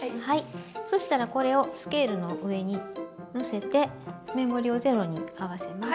そしたらこれをスケールの上に載せてメモリをゼロに合わせます。